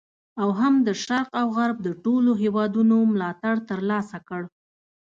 او هم د شرق او غرب د ټولو هیوادونو ملاتړ تر لاسه کړ.